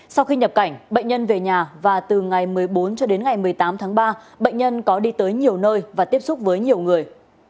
sau khi nhập cảnh bệnh nhân về nhà và từ ngày một mươi bốn cho đến ngày một mươi tám tháng ba bệnh nhân có đi tới nhiều nơi và tiếp xúc với nhiều người